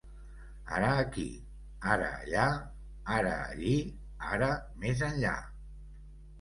Ara aquí, ara allà, ara allí, ara més enllà.